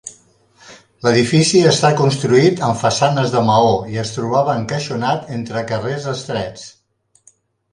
L'edifici està construït amb façanes de maó i es trobava encaixonat entre carrers estrets.